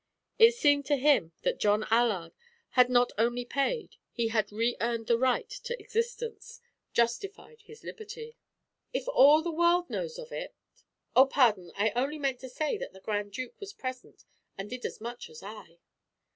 It seemed to him that John Allard had not only paid; he had re earned the right to existence, justified his liberty. "If all the world knows of it " "Oh, pardon; I only meant to say that the Grand Duke was present and did as much as I."